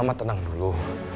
mama tenang dulu